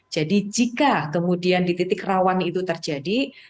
jadi jika kemudian di titik rawan itu terjadi